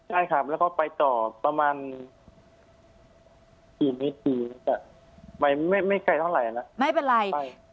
ใช่ครับแล้วก็ไปต่อประมาณ๔นิตย์ไม่ไกลเท่าไหร่นะไม่เป็นไร